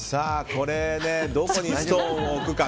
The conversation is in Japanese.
どこにストーンを置くか。